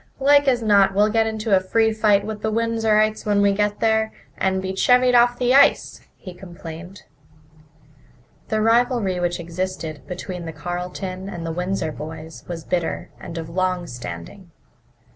"Like as not we'll get into a free fight with the Windsorites when we get there, and be chevied off the ice," he complained. The rivalry which existed between the Carleton and the Windsor boys was bitter and of long standing.